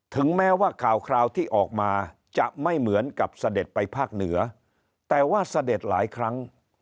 ถึงแม้ว่าข่าวคราวที่ออกมาจะไม่เหมือนกับเสด็จไปภาคเหนือแต่ว่าเสด็จหลายครั้ง